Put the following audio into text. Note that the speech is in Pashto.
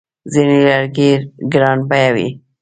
ځینې لرګي ګرانبیه وي.